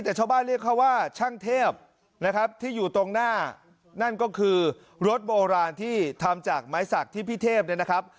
แต่ชาวบ้านเรียกเขาว่าช่างเทพนะครับที่อยู่ตรงหน้านั่นก็คือรถโบราณที่ทำจากไม้สักที่พี่เทพเนี่ยนะครับ